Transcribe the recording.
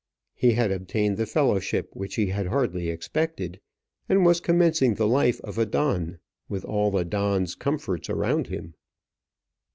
He had obtained the fellowship which he had hardly expected, and was commencing the life of a don, with all a don's comforts around him.